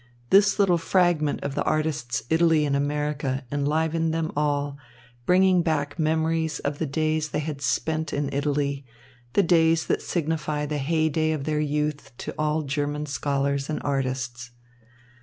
This little fragment of the artists' Italy in America enlivened them all, bringing back memories of the days they had spent in Italy, the days that signify the heyday of their youth to all German scholars and artists.